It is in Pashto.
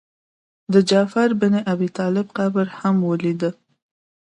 د جعفر بن ابي طالب قبر هم مې ولید.